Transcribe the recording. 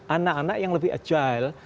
anak anak yang lebih agile